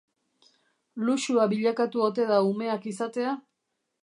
Luxua bilakatu ote da umeak izatea?